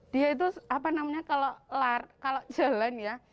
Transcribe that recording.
dia itu kalau jalan